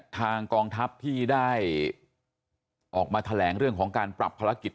กองทัพที่ได้ออกมาแถลงเรื่องของการปรับภารกิจ